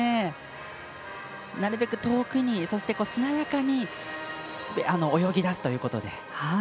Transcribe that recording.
なるべく遠くにしなやかに泳ぎだすということで。